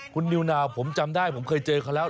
คุณนิวนาวผมจำได้ผมเคยเจอเขาแล้ว